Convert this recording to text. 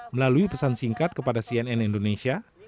melalui pesan singkat kepada cnn indonesia